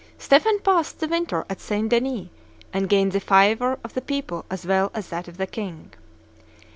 Stephen passed the winter at St. Denis, and gained the favor of the people as well as that of the king.